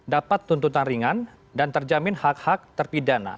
dapat tuntutan ringan dan terjamin hak hak terpidana